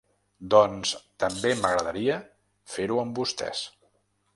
Doncs també m’agradaria fer-ho amb vostès.